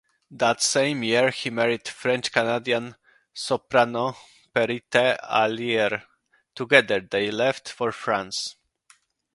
That same year he married French-Canadian soprano Pierrette Alarie.Together they left for France.